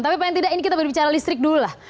tapi paling tidak ini kita berbicara listrik dulu lah